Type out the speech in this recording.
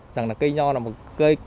rằng cây nho là một cây